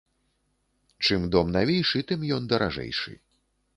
Чым дом навейшы, тым ён даражэйшы.